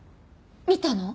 見たの？